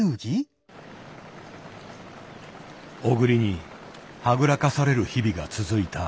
小栗にはぐらかされる日々が続いた。